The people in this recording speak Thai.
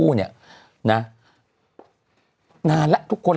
ดื่มน้ำก่อนสักนิดใช่ไหมคะคุณพี่